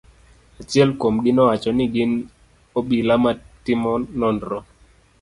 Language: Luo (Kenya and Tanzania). Achiel kuom gi nowacho ni gin obila ma timo nonro.